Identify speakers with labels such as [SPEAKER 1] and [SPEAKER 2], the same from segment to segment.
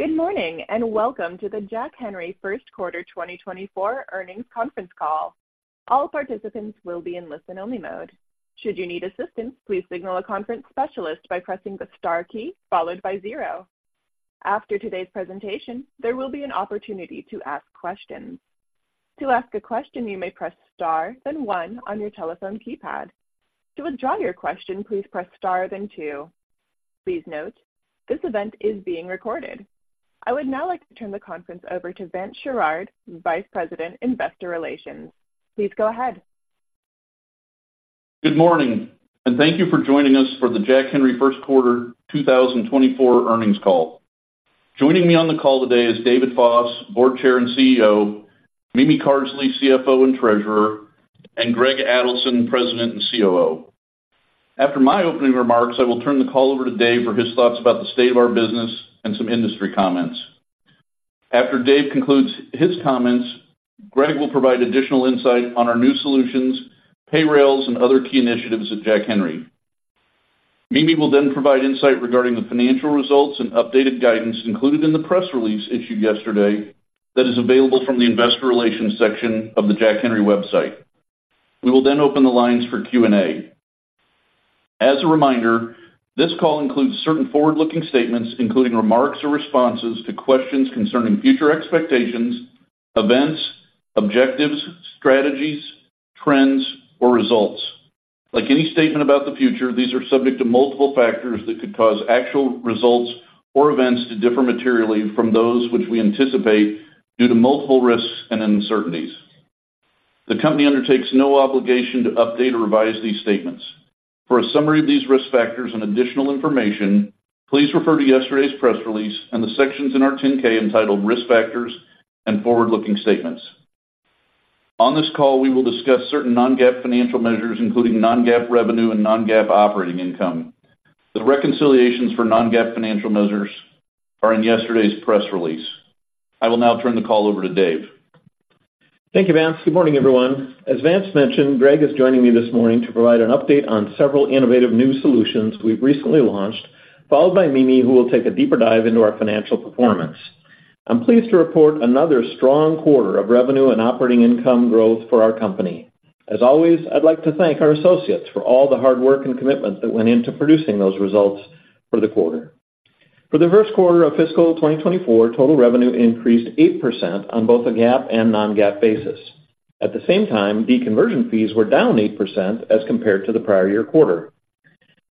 [SPEAKER 1] Good morning, and welcome to the Jack Henry first quarter 2024 earnings conference call. All participants will be in listen-only mode. Should you need assistance, please signal a conference specialist by pressing the star key followed by 0. After today's presentation, there will be an opportunity to ask questions. To ask a question, you may press *1 on your telephone keypad. To withdraw your question, please press *2. Please note, this event is being recorded. I would now like to turn the conference over to Vance Sherard, Vice President, Investor Relations. Please go ahead.
[SPEAKER 2] Good morning, and thank you for joining us for the Jack Henry first quarter 2024 earnings call. Joining me on the call today is David Foss, Board Chair and CEO, Mimi Carsley, CFO and Treasurer, and Greg Adelson, President and COO. After my opening remarks, I will turn the call over to Dave for his thoughts about the state of our business and some industry comments. After Dave concludes his comments, Greg will provide additional insight on our new solutions, Payrailz, and other key initiatives at Jack Henry. Mimi will then provide insight regarding the financial results and updated guidance included in the press release issued yesterday that is available from the investor relations section of the Jack Henry website. We will then open the lines for Q&A. As a reminder, this call includes certain forward-looking statements, including remarks or responses to questions concerning future expectations, events, objectives, strategies, trends, or results. Like any statement about the future, these are subject to multiple factors that could cause actual results or events to differ materially from those which we anticipate due to multiple risks and uncertainties. The company undertakes no obligation to update or revise these statements. For a summary of these risk factors and additional information, please refer to yesterday's press release and the sections in our 10-K entitled Risk Factors and Forward-Looking Statements. On this call, we will discuss certain non-GAAP financial measures, including non-GAAP revenue and non-GAAP operating income. The reconciliations for non-GAAP financial measures are in yesterday's press release. I will now turn the call over to Dave.
[SPEAKER 3] Thank you, Vance. Good morning, everyone. As Vance mentioned, Greg is joining me this morning to provide an update on several innovative new solutions we've recently launched, followed by Mimi, who will take a deeper dive into our financial performance. I'm pleased to report another strong quarter of revenue and operating income growth for our company. As always, I'd like to thank our associates for all the hard work and commitment that went into producing those results for the quarter. For the first quarter of fiscal 2024, total revenue increased 8% on both a GAAP and non-GAAP basis. At the same time, deconversion fees were down 8% as compared to the prior year quarter.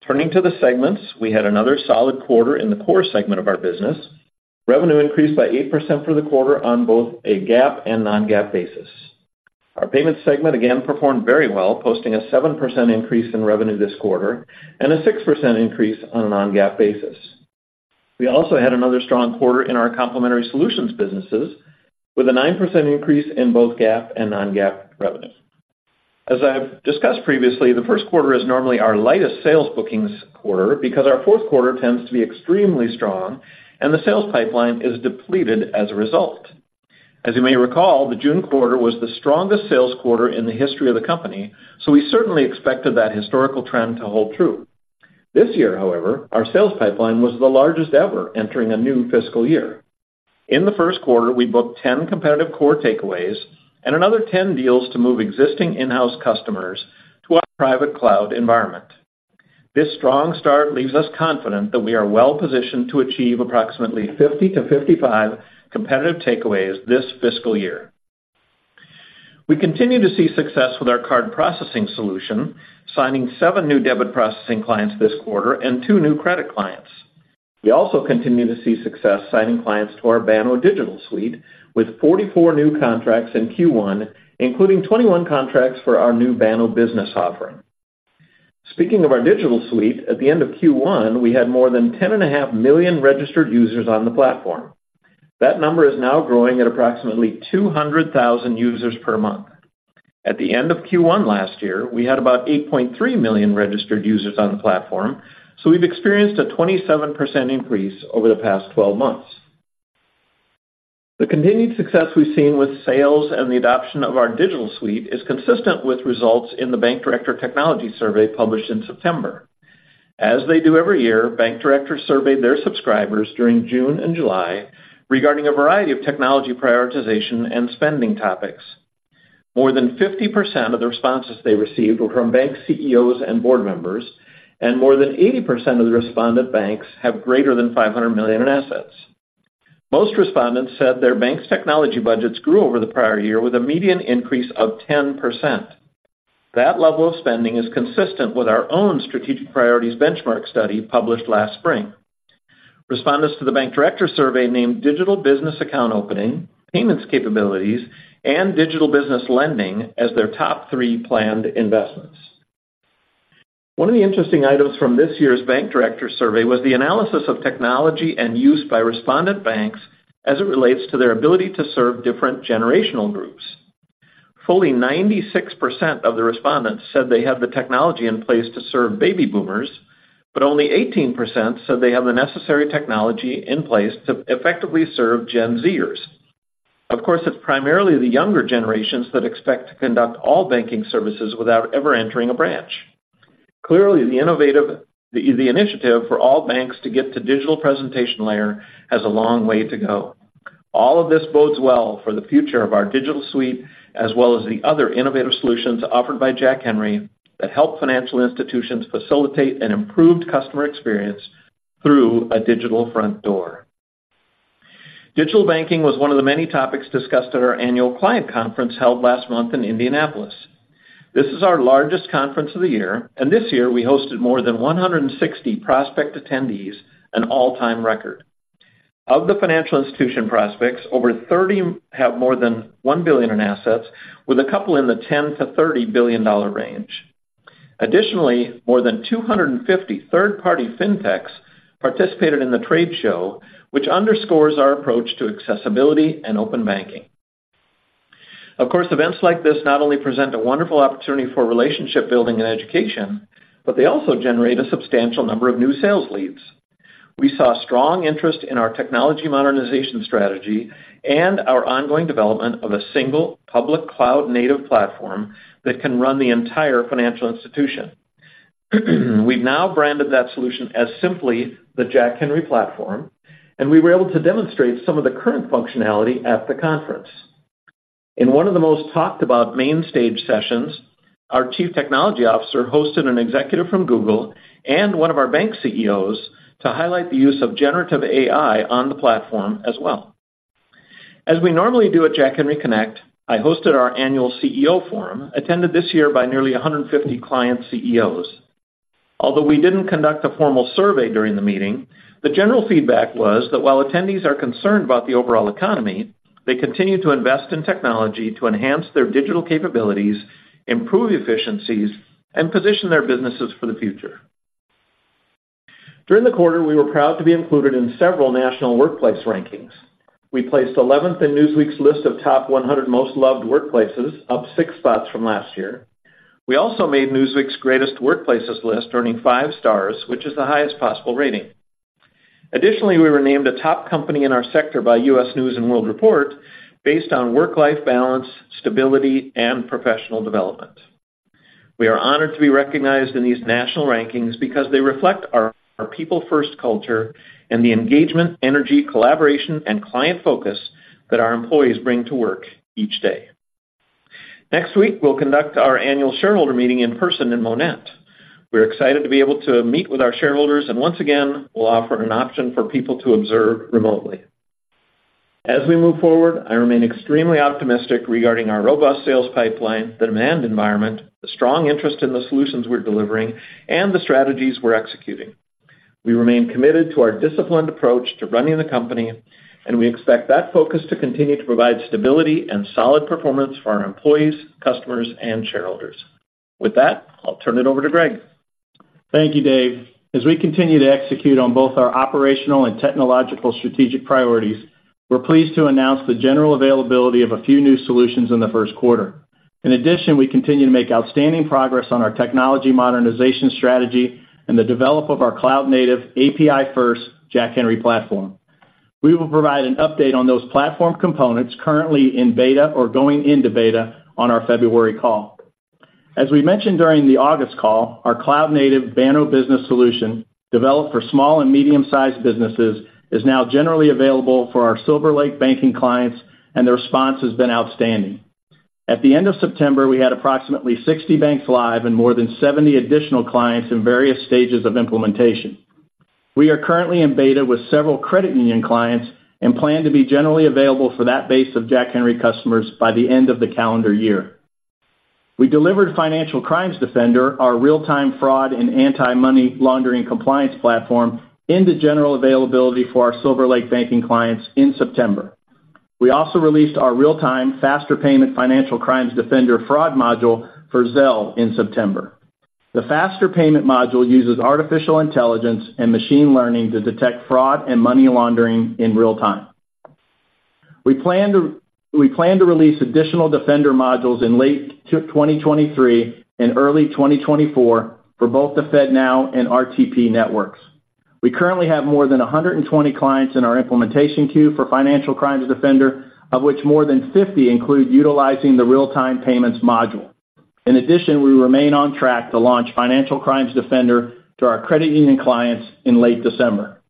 [SPEAKER 3] Turning to the segments, we had another solid quarter in the core segment of our business. Revenue increased by 8% for the quarter on both a GAAP and non-GAAP basis. Our payments segment again performed very well, posting a 7% increase in revenue this quarter and a 6% increase on a non-GAAP basis. We also had another strong quarter in our complementary solutions businesses, with a 9% increase in both GAAP and non-GAAP revenue. As I have discussed previously, the first quarter is normally our lightest sales bookings quarter because our fourth quarter tends to be extremely strong and the sales pipeline is depleted as a result. As you may recall, the June quarter was the strongest sales quarter in the history of the company, so we certainly expected that historical trend to hold true. This year, however, our sales pipeline was the largest ever entering a new fiscal year. In the first quarter, we booked 10 competitive core takeaways and another 10 deals to move existing in-house customers to our private cloud environment. This strong start leaves us confident that we are well-positioned to achieve approximately 50-55 competitive takeaways this fiscal year. We continue to see success with our card processing solution, signing seven new debit processing clients this quarter and two new credit clients. We also continue to see success signing clients to our Banno Digital Suite, with 44 new contracts in Q1, including 21 contracts for our new Banno Business offering. Speaking of our digital suite, at the end of Q1, we had more than 10.5 million registered users on the platform. That number is now growing at approximately 200,000 users per month. At the end of Q1 last year, we had about 8.3 million registered users on the platform, so we've experienced a 27% increase over the past twelve months. The continued success we've seen with sales and the adoption of our digital suite is consistent with results in the Bank Director Technology Survey, published in September. As they do every year, bank directors surveyed their subscribers during June and July regarding a variety of technology prioritization and spending topics. More than 50% of the responses they received were from bank CEOs and board members, and more than 80% of the respondent banks have greater than $500 million in assets. Most respondents said their bank's technology budgets grew over the prior year with a median increase of 10%. That level of spending is consistent with our own Strategic Priorities Benchmark study, published last spring. Respondents to the bank director survey named digital business account opening, payments capabilities, and digital business lending as their top three planned investments. One of the interesting items from this year's Bank Director survey was the analysis of technology and use by respondent banks as it relates to their ability to serve different generational groups. Fully 96% of the respondents said they have the technology in place to serve baby boomers, but only 18% said they have the necessary technology in place to effectively serve Gen Zers. Of course, it's primarily the younger generations that expect to conduct all banking services without ever entering a branch. Clearly, the innovative initiative for all banks to get to digital presentation layer has a long way to go. All of this bodes well for the future of our digital suite, as well as the other innovative solutions offered by Jack Henry that help financial institutions facilitate an improved customer experience through a digital front door. Digital banking was one of the many topics discussed at our annual client conference held last month in Indianapolis. This is our largest conference of the year, and this year we hosted more than 160 prospect attendees, an all-time record. Of the financial institution prospects, over 30 have more than $1 billion in assets, with a couple in the $10-$30 billion range. Additionally, more than 250 third-party fintechs participated in the trade show, which underscores our approach to accessibility and open banking. Of course, events like this not only present a wonderful opportunity for relationship building and education, but they also generate a substantial number of new sales leads. We saw strong interest in our technology modernization strategy and our ongoing development of a single public cloud-native platform that can run the entire financial institution. We've now branded that solution as simply the Jack Henry Platform, and we were able to demonstrate some of the current functionality at the conference. In one of the most talked-about main stage sessions, our Chief Technology Officer hosted an executive from Google and one of our bank CEOs to highlight the use of generative AI on the platform as well. As we normally do at Jack Henry Connect, I hosted our annual CEO forum, attended this year by nearly 150 client CEOs. Although we didn't conduct a formal survey during the meeting, the general feedback was that while attendees are concerned about the overall economy, they continue to invest in technology to enhance their digital capabilities, improve efficiencies, and position their businesses for the future. During the quarter, we were proud to be included in several national workplace rankings. We placed eleventh in Newsweek's list of Top 100 Most Loved Workplaces, up six spots from last year. We also made Newsweek's Greatest Workplaces list, earning five stars, which is the highest possible rating. Additionally, we were named a top company in our sector by U.S. News & World Report based on work-life balance, stability, and professional development. We are honored to be recognized in these national rankings because they reflect our people-first culture and the engagement, energy, collaboration, and client focus that our employees bring to work each day. Next week, we'll conduct our annual shareholder meeting in person in Monett. We're excited to be able to meet with our shareholders, and once again, we'll offer an option for people to observe remotely. As we move forward, I remain extremely optimistic regarding our robust sales pipeline, the demand environment, the strong interest in the solutions we're delivering, and the strategies we're executing. We remain committed to our disciplined approach to running the company, and we expect that focus to continue to provide stability and solid performance for our employees, customers, and shareholders. With that, I'll turn it over to Greg.
[SPEAKER 4] Thank you, Dave. As we continue to execute on both our operational and technological strategic priorities, we're pleased to announce the general availability of a few new solutions in the first quarter. In addition, we continue to make outstanding progress on our technology modernization strategy and the development of our cloud-native, API-first Jack Henry Platform. We will provide an update on those platform components currently in beta or going into beta on our February call. As we mentioned during the August call, our cloud-native Banno Business solution, developed for small and medium-sized businesses, is now generally available for our SilverLake banking clients, and the response has been outstanding. At the end of September, we had approximately 60 banks live and more than 70 additional clients in various stages of implementation. We are currently in beta with several credit union clients and plan to be generally available for that base of Jack Henry customers by the end of the calendar year. We delivered Financial Crimes Defender, our real-time fraud and anti-money laundering compliance platform, into general availability for our SilverLake banking clients in September. We also released our real-time faster payment Financial Crimes Defender fraud module for Zelle in September. The faster payment module uses artificial intelligence and machine learning to detect fraud and money laundering in real time. We plan to release additional Defender modules in late 2023 and early 2024 for both the FedNow and RTP networks. We currently have more than 120 clients in our implementation queue for Financial Crimes Defender, of which more than 50 include utilizing the real-time payments module. In addition, we remain on track to launch Financial Crimes Defender to our credit union clients in late December.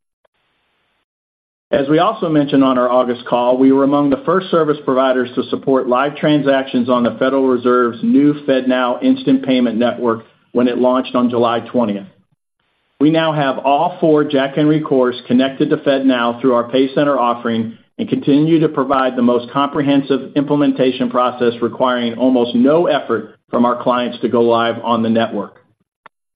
[SPEAKER 4] As we also mentioned on our August call, we were among the first service providers to support live transactions on the Federal Reserve's new FedNow instant payment network when it launched on July 20. We now have all four Jack Henry cores connected to FedNow through our PayCenter offering and continue to provide the most comprehensive implementation process, requiring almost no effort from our clients to go live on the network.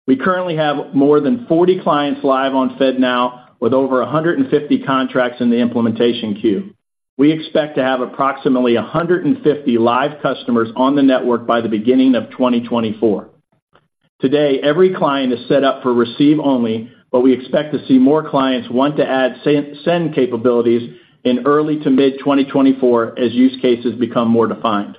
[SPEAKER 4] We currently have more than 40 clients live on FedNow, with over 150 contracts in the implementation queue. We expect to have approximately 150 live customers on the network by the beginning of 2024. Today, every client is set up for receive only, but we expect to see more clients want to add send capabilities in early to mid-2024 as use cases become more defined.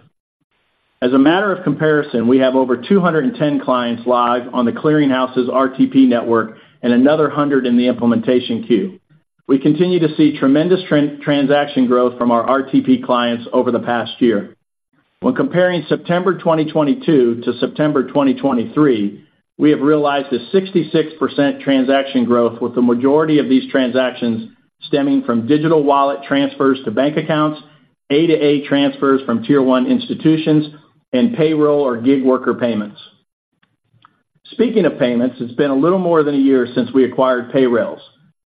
[SPEAKER 4] As a matter of comparison, we have over 210 clients live on the Clearing House's RTP network and another 100 in the implementation queue. We continue to see tremendous transaction growth from our RTP clients over the past year. When comparing September 2022 to September 2023, we have realized a 66% transaction growth, with the majority of these transactions stemming from digital wallet transfers to bank accounts, A2A transfers from Tier 1 institutions, and payroll or gig worker payments. Speaking of payments, it's been a little more than a year since we acquired Payrailz.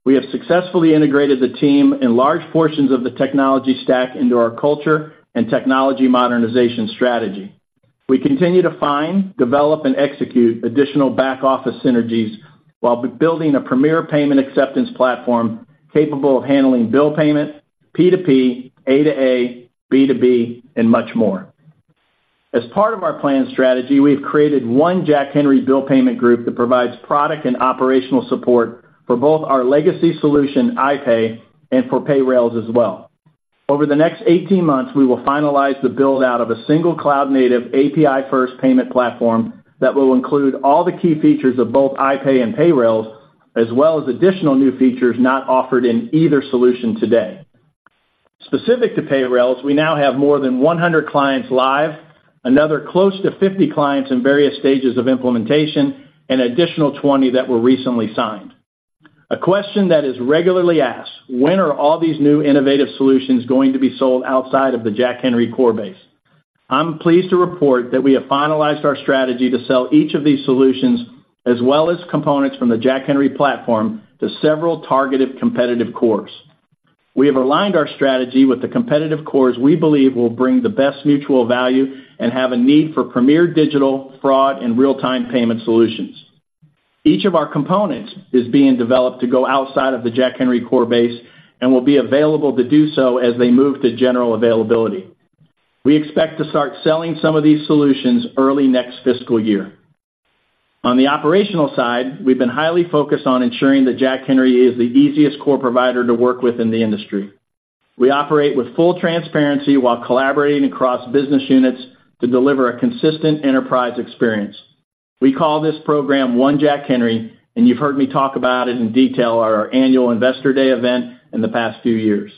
[SPEAKER 4] We have successfully integrated the team and large portions of the technology stack into our culture and technology modernization strategy. We continue to find, develop, and execute additional back-office synergies while building a premier payment acceptance platform capable of handling bill payment, P2P, A2A, B2B, and much more. As part of our planned strategy, we've created one Jack Henry bill payment group that provides product and operational support for both our legacy solution, iPay, and for Payrailz as well. Over the next eighteen months, we will finalize the build-out of a single cloud-native, API-first payment platform that will include all the key features of both iPay and Payrailz, as well as additional new features not offered in either solution today. Specific to Payrailz, we now have more than 100 clients live, another close to 50 clients in various stages of implementation, and additional 20 that were recently signed. A question that is regularly asked: When are all these new innovative solutions going to be sold outside of the Jack Henry core base? I'm pleased to report that we have finalized our strategy to sell each of these solutions, as well as components from the Jack Henry Platform, to several targeted competitive cores. We have aligned our strategy with the competitive cores we believe will bring the best mutual value and have a need for premier digital, fraud, and real-time payment solutions. Each of our components is being developed to go outside of the Jack Henry core base and will be available to do so as they move to general availability. We expect to start selling some of these solutions early next fiscal year. On the operational side, we've been highly focused on ensuring that Jack Henry is the easiest core provider to work with in the industry. We operate with full transparency while collaborating across business units to deliver a consistent enterprise experience. We call this program One Jack Henry, and you've heard me talk about it in detail at our annual Investor Day event in the past few years.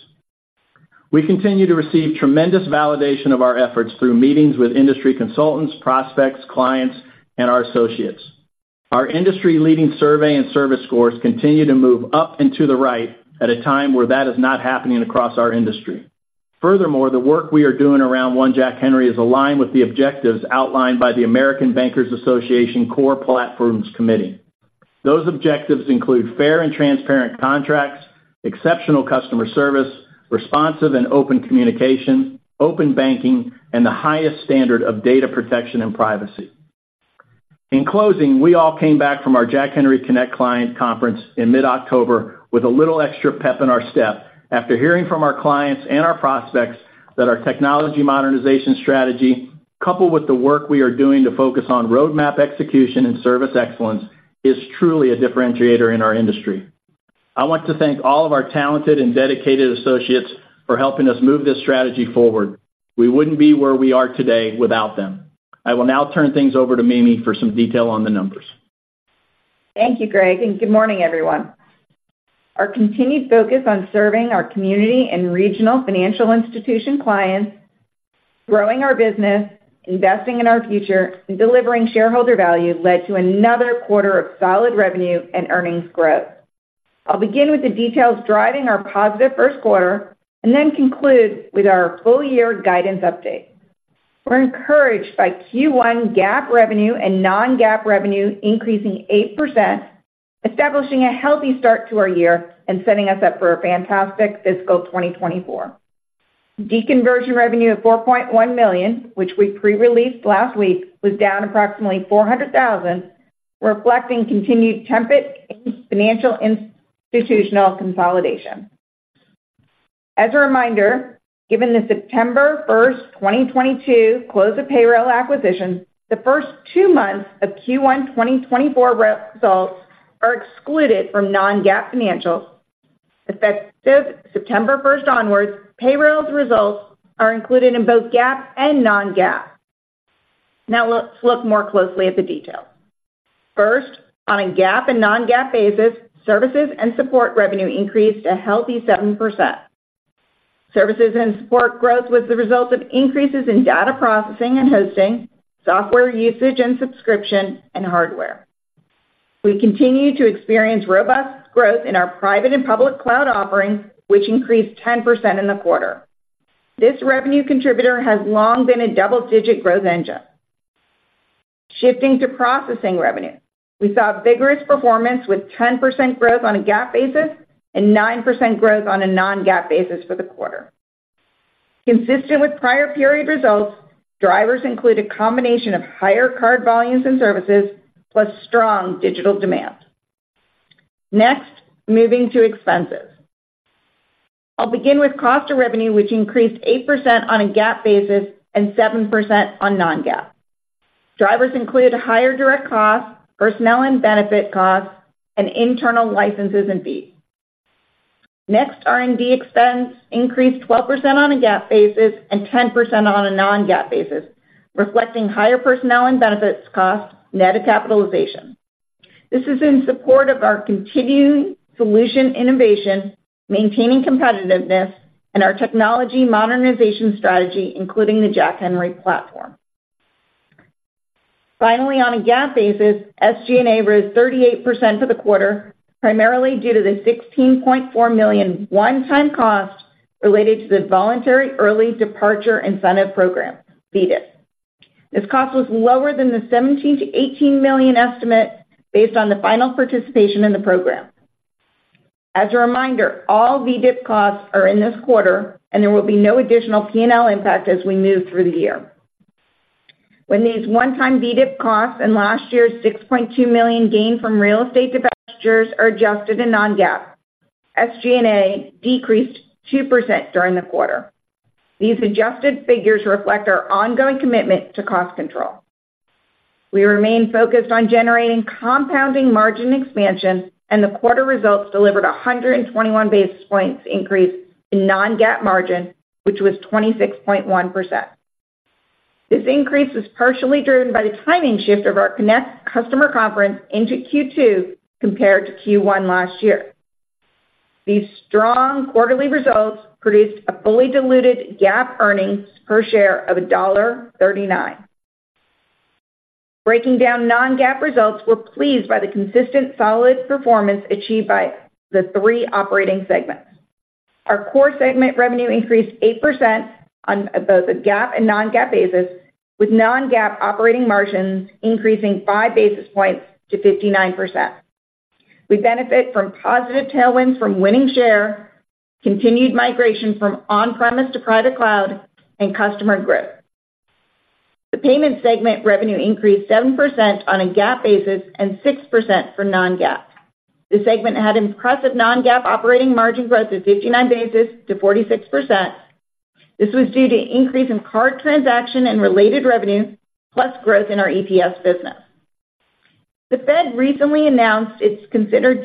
[SPEAKER 4] We continue to receive tremendous validation of our efforts through meetings with industry consultants, prospects, clients, and our associates. Our industry-leading survey and service scores continue to move up and to the right at a time where that is not happening across our industry. Furthermore, the work we are doing around One Jack Henry is aligned with the objectives outlined by the American Bankers Association Core Platforms Committee. Those objectives include fair and transparent contracts, exceptional customer service, responsive and open communication, open banking, and the highest standard of data protection and privacy. In closing, we all came back from our Jack Henry Connect client conference in mid-October with a little extra pep in our step after hearing from our clients and our prospects that our technology modernization strategy, coupled with the work we are doing to focus on roadmap execution and service excellence, is truly a differentiator in our industry. I want to thank all of our talented and dedicated associates for helping us move this strategy forward. We wouldn't be where we are today without them. I will now turn things over to Mimi for some detail on the numbers.
[SPEAKER 5] Thank you, Greg, and good morning, everyone. Our continued focus on serving our community and regional financial institution clients, growing our business, investing in our future, and delivering shareholder value led to another quarter of solid revenue and earnings growth. I'll begin with the details driving our positive first quarter and then conclude with our full-year guidance update. We're encouraged by Q1 GAAP revenue and non-GAAP revenue increasing 8%, establishing a healthy start to our year and setting us up for a fantastic fiscal 2024. Deconversion revenue of $4.1 million, which we pre-released last week, was down approximately $400,000, reflecting continued tepidness in financial institutional consolidation. As a reminder, given the September 1, 2022 close of Payrailz acquisition, the first two months of Q1 2024 results are excluded from non-GAAP financials. Effective September 1 onwards, Payrailz results are included in both GAAP and non-GAAP. Now let's look more closely at the detail. First, on a GAAP and non-GAAP basis, services and support revenue increased a healthy 7%. Services and support growth was the result of increases in data processing and hosting, software usage and subscription, and hardware. We continue to experience robust growth in our private and public cloud offerings, which increased 10% in the quarter. This revenue contributor has long been a double-digit growth engine. Shifting to processing revenue, we saw vigorous performance with 10% growth on a GAAP basis and 9% growth on a non-GAAP basis for the quarter. Consistent with prior period results, drivers include a combination of higher card volumes and services, plus strong digital demand. Next, moving to expenses. I'll begin with cost of revenue, which increased 8% on a GAAP basis and 7% on non-GAAP. Drivers included higher direct costs, personnel and benefit costs, and internal licenses and fees. Next, R&D expense increased 12% on a GAAP basis and 10% on a non-GAAP basis, reflecting higher personnel and benefits costs net of capitalization.... This is in support of our continued solution innovation, maintaining competitiveness, and our technology modernization strategy, including the Jack Henry platform. Finally, on a GAAP basis, SG&A rose 38% for the quarter, primarily due to the $16.4 million one-time cost related to the voluntary early departure incentive program, VEDIP. This cost was lower than the $17 million-$18 million estimate based on the final participation in the program. As a reminder, all VEDIP costs are in this quarter, and there will be no additional P&L impact as we move through the year. When these one-time VEDIP costs and last year's $6.2 million gain from real estate divestitures are adjusted to non-GAAP, SG&A decreased 2% during the quarter. These adjusted figures reflect our ongoing commitment to cost control. We remain focused on generating compounding margin expansion, and the quarter results delivered 121 basis points increase in non-GAAP margin, which was 26.1%. This increase was partially driven by the timing shift of our Connect customer conference into Q2 compared to Q1 last year. These strong quarterly results produced a fully diluted GAAP earnings per share of $1.39. Breaking down non-GAAP results, we're pleased by the consistent solid performance achieved by the three operating segments. Our core segment revenue increased 8% on both a GAAP and non-GAAP basis, with non-GAAP operating margins increasing 5 basis points to 59%. We benefit from positive tailwinds from winning share, continued migration from on-premise to private cloud, and customer growth. The payments segment revenue increased 7% on a GAAP basis and 6% for non-GAAP. The segment had impressive non-GAAP operating margin growth of 59 basis points to 46%. This was due to increase in card transaction and related revenue, plus growth in our EPS business. The Fed recently announced it's considering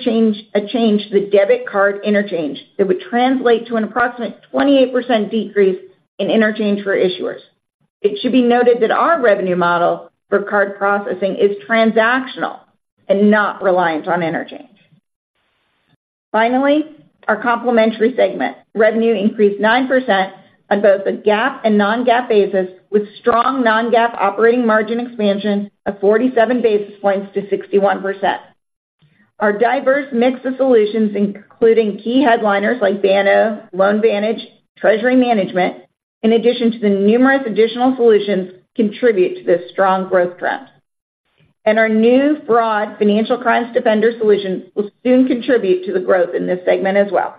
[SPEAKER 5] a change to the debit card interchange that would translate to an approximate 28% decrease in interchange for issuers. It should be noted that our revenue model for card processing is transactional and not reliant on interchange. Finally, our complementary segment revenue increased 9% on both a GAAP and non-GAAP basis, with strong non-GAAP operating margin expansion of 47 basis points to 61%. Our diverse mix of solutions, including key headliners like Banno, LoanVantage, Treasury Management, in addition to the numerous additional solutions, contribute to this strong growth trend. Our new broad Financial Crimes Defender solutions will soon contribute to the growth in this segment as well.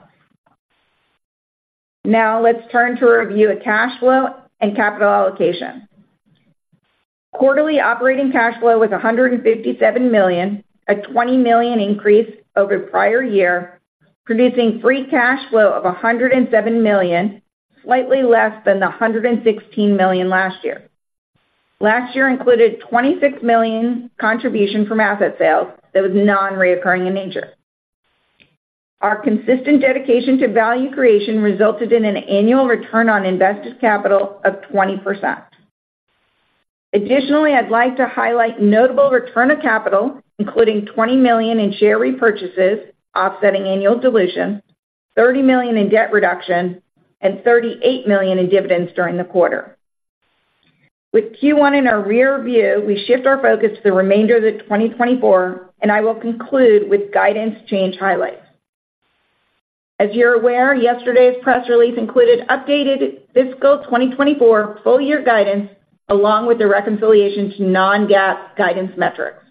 [SPEAKER 5] Now, let's turn to a review of cash flow and capital allocation. Quarterly operating cash flow was $157 million, a $20 million increase over the prior year, producing free cash flow of $107 million, slightly less than the $116 million last year. Last year included $26 million contribution from asset sales that was non-recurring in nature. Our consistent dedication to value creation resulted in an annual return on investors' capital of 20%. Additionally, I'd like to highlight notable return of capital, including $20 million in share repurchases, offsetting annual dilution, $30 million in debt reduction, and $38 million in dividends during the quarter. With Q1 in our rear view, we shift our focus to the remainder of the 2024, and I will conclude with guidance change highlights. As you're aware, yesterday's press release included updated fiscal 2024 full-year guidance, along with the reconciliation to non-GAAP guidance metrics.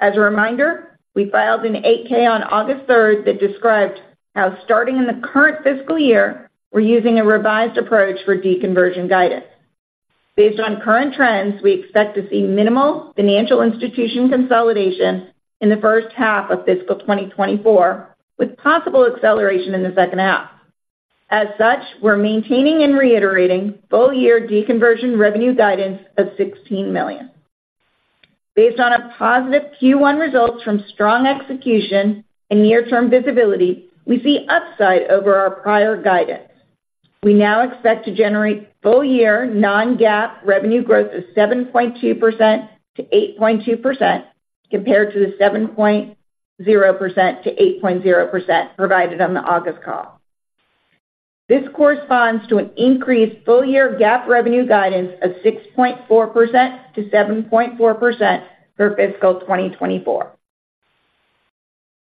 [SPEAKER 5] As a reminder, we filed an 8-K on August 3 that described how, starting in the current fiscal year, we're using a revised approach for deconversion guidance. Based on current trends, we expect to see minimal financial institution consolidation in the first half of fiscal 2024, with possible acceleration in the second half. As such, we're maintaining and reiterating full-year deconversion revenue guidance of $16 million. Based on a positive Q1 results from strong execution and near-term visibility, we see upside over our prior guidance. We now expect to generate full-year non-GAAP revenue growth of 7.2%-8.2%, compared to the 7.0%-8.0% provided on the August call. This corresponds to an increased full-year GAAP revenue guidance of 6.4%-7.4% for fiscal 2024.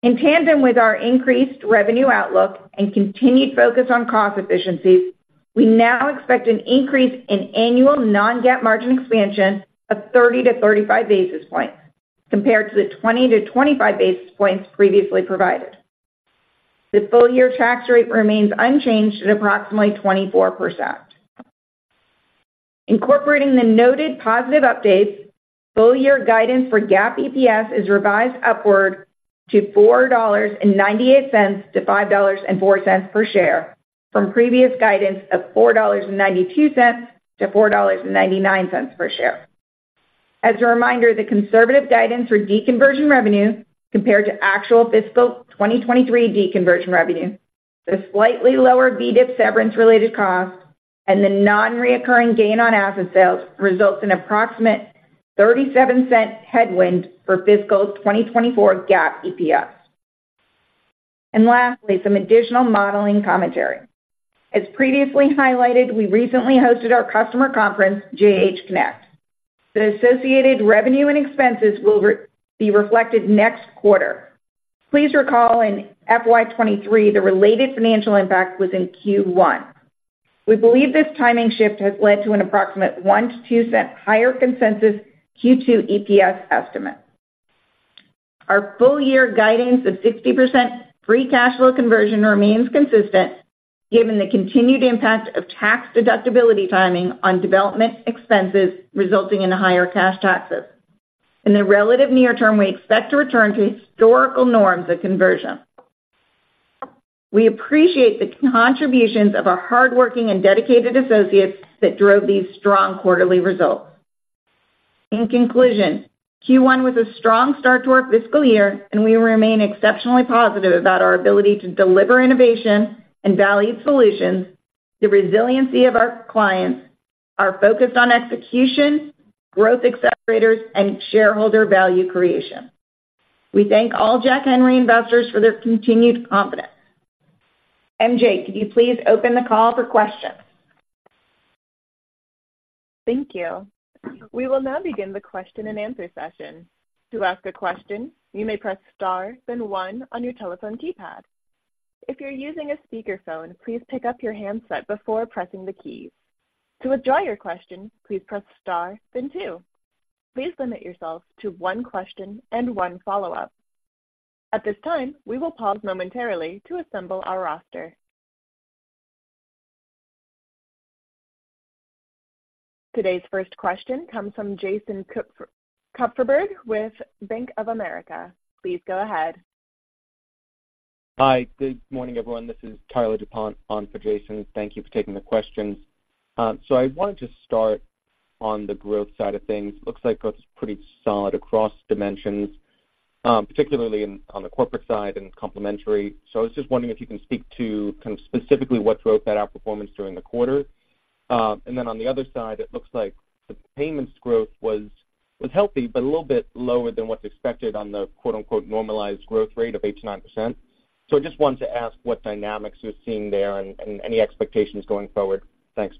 [SPEAKER 5] In tandem with our increased revenue outlook and continued focus on cost efficiencies, we now expect an increase in annual non-GAAP margin expansion of 30-35 basis points, compared to the 20-25 basis points previously provided. The full-year tax rate remains unchanged at approximately 24%. Incorporating the noted positive updates, full-year guidance for GAAP EPS is revised upward to $4.98-$5.04 per share, from previous guidance of $4.92-$4.99 per share. As a reminder, the conservative guidance for deconversion revenue compared to actual fiscal 2023 deconversion revenue, the slightly lower VEDIP severance-related cost, and the non-recurring gain on asset sales results in approximate $0.37 headwind for fiscal 2024 GAAP EPS. Lastly, some additional modeling commentary. As previously highlighted, we recently hosted our customer conference, JH Connect. The associated revenue and expenses will be reflected next quarter. Please recall in FY 2023, the related financial impact was in Q1. We believe this timing shift has led to an approximate 1- to 2-cent higher consensus Q2 EPS estimate. Our full year guidance of 60% free cash flow conversion remains consistent, given the continued impact of tax deductibility timing on development expenses, resulting in higher cash taxes. In the relative near term, we expect to return to historical norms of conversion. We appreciate the contributions of our hardworking and dedicated associates that drove these strong quarterly results. In conclusion, Q1 was a strong start to our fiscal year, and we remain exceptionally positive about our ability to deliver innovation and valued solutions, the resiliency of our clients, our focus on execution, growth accelerators, and shareholder value creation. We thank all Jack Henry investors for their continued confidence. MJ, could you please open the call for questions?
[SPEAKER 1] Thank you. We will now begin the question and answer session. To ask a question, you may press *1 on your telephone keypad. If you're using a speakerphone, please pick up your handset before pressing the keys. To withdraw your question, please press *2. Please limit yourself to one question and one follow-up. At this time, we will pause momentarily to assemble our roster. Today's first question comes from Jason Kupferberg with Bank of America. Please go ahead.
[SPEAKER 6] Hi, good morning, everyone. This is Tyler Dupont on for Jason. Thank you for taking the questions. So I wanted to start on the growth side of things. Looks like growth is pretty solid across dimensions, particularly in, on the corporate side and complementary. So I was just wondering if you can speak to kind of specifically what drove that outperformance during the quarter. And then on the other side, it looks like the payments growth was healthy, but a little bit lower than what's expected on the quote-unquote, "normalized growth rate of 8%-9%." So I just wanted to ask what dynamics you're seeing there and any expectations going forward. Thanks.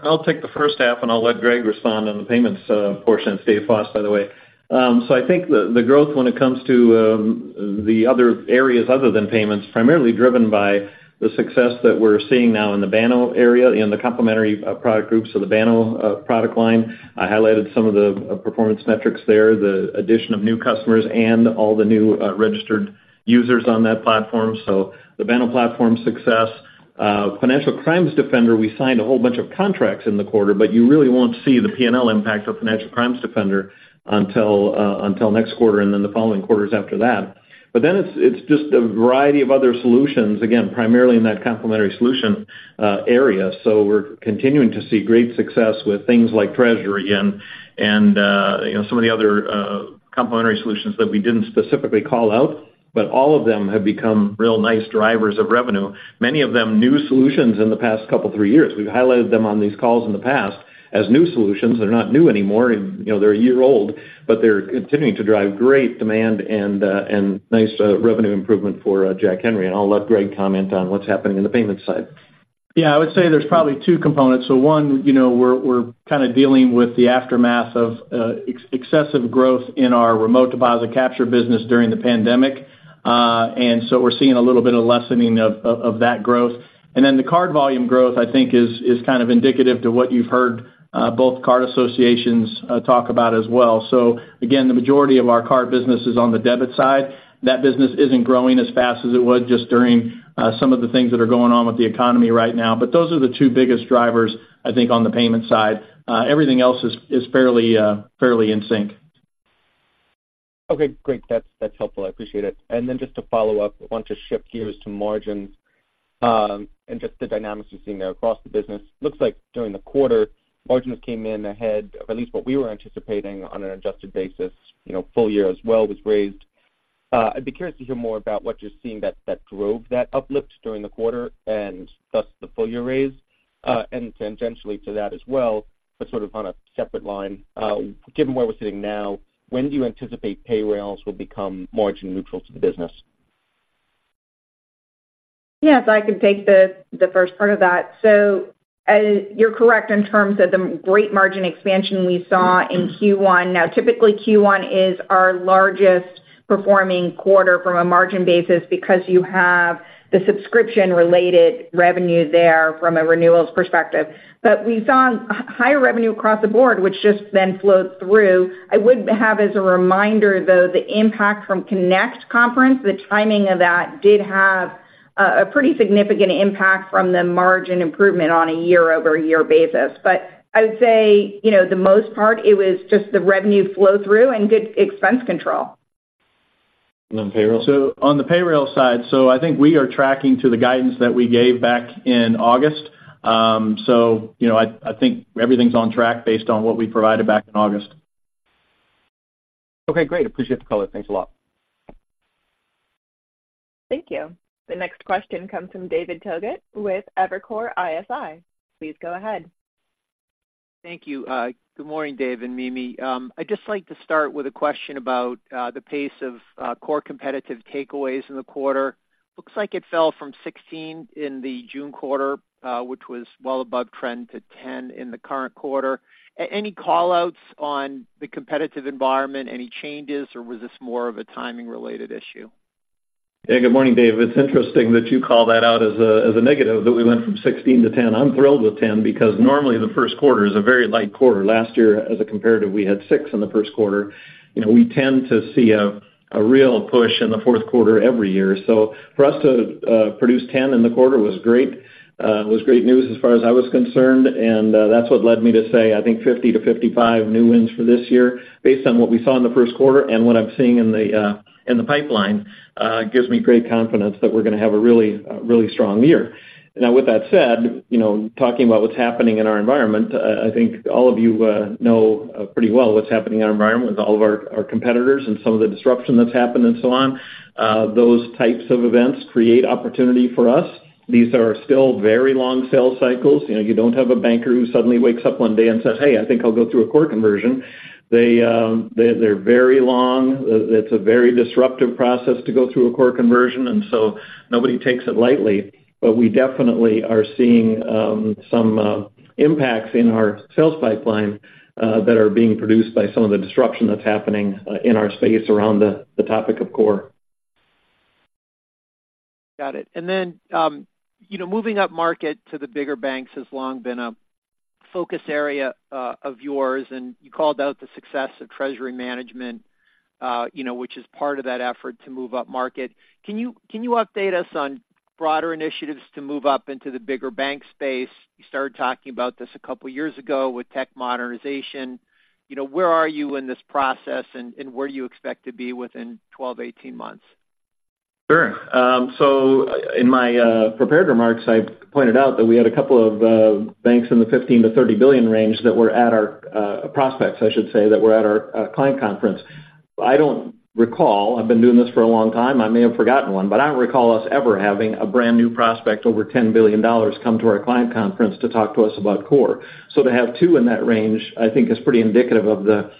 [SPEAKER 3] I'll take the first half, and I'll let Greg respond on the payments portion. David Foss, by the way. So I think the growth when it comes to the other areas other than payments, primarily driven by the success that we're seeing now in the Banno area, in the complementary product groups. So the Banno product line, I highlighted some of the performance metrics there, the addition of new customers and all the new registered users on that platform. So the Banno platform success. Financial Crimes Defender, we signed a whole bunch of contracts in the quarter, but you really won't see the P&L impact of Financial Crimes Defender until next quarter, and then the following quarters after that. But then it's just a variety of other solutions, again, primarily in that complementary solution area. So we're continuing to see great success with things like Treasury and, you know, some of the other, complementary solutions that we didn't specifically call out, but all of them have become real nice drivers of revenue, many of them new solutions in the past couple, three years. We've highlighted them on these calls in the past as new solutions. They're not new anymore, and, you know, they're a year old, but they're continuing to drive great demand and nice revenue improvement for Jack Henry. And I'll let Greg comment on what's happening in the payments side.
[SPEAKER 4] Yeah, I would say there's probably two components. So one, you know, we're kind of dealing with the aftermath of excessive growth in our remote deposit capture business during the pandemic. And so we're seeing a little bit of lessening of that growth. And then the card volume growth, I think, is kind of indicative to what you've heard both card associations talk about as well. So again, the majority of our card business is on the debit side. That business isn't growing as fast as it was just during some of the things that are going on with the economy right now. But those are the two biggest drivers, I think, on the payment side. Everything else is fairly in sync.
[SPEAKER 6] Okay, great. That's, that's helpful. I appreciate it. And then just to follow up, I want to shift gears to margins, and just the dynamics you're seeing there across the business. Looks like during the quarter, margins came in ahead, or at least what we were anticipating on an adjusted basis. You know, full year as well was raised. I'd be curious to hear more about what you're seeing that, that drove that uplift during the quarter and thus the full year raise. And tangentially to that as well, but sort of on a separate line, given where we're sitting now, when do you anticipate Payrailz will become margin neutral to the business?
[SPEAKER 5] Yeah, so I can take the, the first part of that. So, you're correct in terms of the great margin expansion we saw in Q1. Now, typically, Q1 is our largest performing quarter from a margin basis because you have the subscription-related revenue there from a renewals perspective. But we saw higher revenue across the board, which just then flowed through. I would have as a reminder, though, the impact from Connect conference, the timing of that did have a pretty significant impact from the margin improvement on a year-over-year basis. But I would say, you know, the most part, it was just the revenue flow-through and good expense control.
[SPEAKER 4] And then payroll? So on the Payrailz side, so I think we are tracking to the guidance that we gave back in August. So you know, I think everything's on track based on what we provided back in August.
[SPEAKER 6] Okay, great. Appreciate the color. Thanks a lot.
[SPEAKER 1] Thank you. The next question comes from David Togut with Evercore ISI. Please go ahead.
[SPEAKER 7] Thank you. Good morning, Dave and Mimi. I'd just like to start with a question about the pace of core competitive takeaways in the quarter. Looks like it fell from 16 in the June quarter, which was well above trend, to 10 in the current quarter. Any call-outs on the competitive environment, any changes, or was this more of a timing-related issue?
[SPEAKER 3] Yeah, good morning, Dave. It's interesting that you call that out as a negative, that we went from 16 to 10. I'm thrilled with 10 because normally the first quarter is a very light quarter. Last year, as a comparative, we had 6 in the first quarter. You know, we tend to see a real push in the fourth quarter every year. So for us to produce 10 in the quarter was great. It was great news as far as I was concerned, and that's what led me to say I think 50-55 new wins for this year. Based on what we saw in the first quarter and what I'm seeing in the pipeline, gives me great confidence that we're going to have a really strong year. Now, with that said, you know, talking about what's happening in our environment, I think all of you know pretty well what's happening in our environment with all of our competitors and some of the disruption that's happened and so on. Those types of events create opportunity for us. These are still very long sales cycles. You know, you don't have a banker who suddenly wakes up one day and says, "Hey, I think I'll go through a core conversion." They're very long. It's a very disruptive process to go through a core conversion, and so nobody takes it lightly. But we definitely are seeing some impacts in our sales pipeline that are being produced by some of the disruption that's happening in our space around the topic of core.
[SPEAKER 7] Got it. And then, you know, moving up market to the bigger banks has long been a focus area, of yours, and you called out the success of treasury management, you know, which is part of that effort to move up market. Can you, can you update us on broader initiatives to move up into the bigger bank space? You started talking about this a couple of years ago with tech modernization. You know, where are you in this process and, and where you expect to be within twelve, eighteen months?
[SPEAKER 3] Sure. So in my prepared remarks, I pointed out that we had a couple of banks in the $15 billion-$30 billion range that were our prospects, I should say, that were at our client conference. I don't recall... I've been doing this for a long time, I may have forgotten one, but I don't recall us ever having a brand-new prospect over $10 billion come to our client conference to talk to us about core. So to have two in that range, I think is pretty indicative of the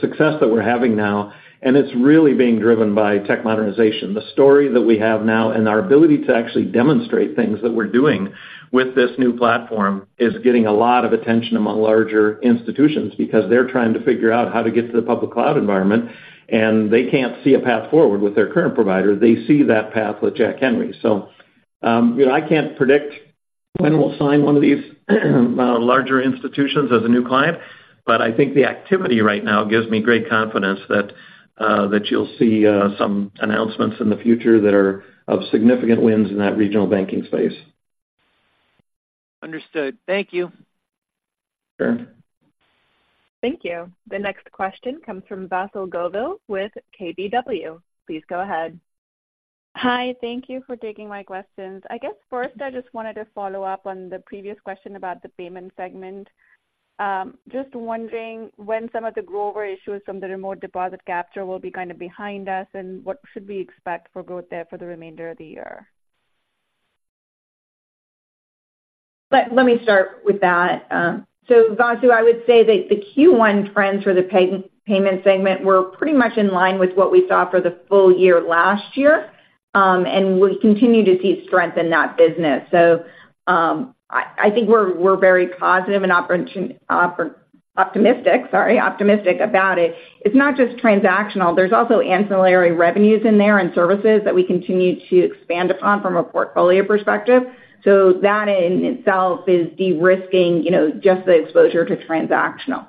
[SPEAKER 3] success that we're having now, and it's really being driven by tech modernization. The story that we have now and our ability to actually demonstrate things that we're doing with this new platform is getting a lot of attention among larger institutions because they're trying to figure out how to get to the public cloud environment, and they can't see a path forward with their current provider. They see that path with Jack Henry. So, you know, I can't predict when we'll sign one of these larger institutions as a new client, but I think the activity right now gives me great confidence that you'll see some announcements in the future that are of significant wins in that regional banking space.
[SPEAKER 7] Understood. Thank you.
[SPEAKER 3] Sure.
[SPEAKER 1] Thank you. The next question comes from Vasu Govil with KBW. Please go ahead.
[SPEAKER 8] Hi, thank you for taking my questions. I guess first, I just wanted to follow up on the previous question about the payment segment. Just wondering when some of the growth issues from the remote deposit capture will be kind of behind us, and what should we expect for growth there for the remainder of the year?
[SPEAKER 5] Let me start with that. So, Vasu, I would say that the Q1 trends for the payment segment were pretty much in line with what we saw for the full year last year, and we continue to see strength in that business. So, I think we're very positive and optimistic, sorry, optimistic about it. It's not just transactional. There's also ancillary revenues in there and services that we continue to expand upon from a portfolio perspective. So that in itself is de-risking, you know, just the exposure to transactional.